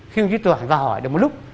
khi thủ đoạn vào hỏi được một lúc